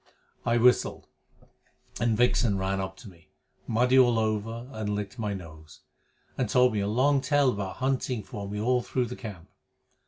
I whistled, and Vixen ran up to me, muddy all over, and licked my nose, and told me a long tale about hunting for me all through the camp.